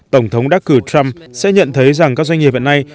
tổng thống đắc cử trump sẽ nhận thấy rằng các doanh nghiệp hiện nay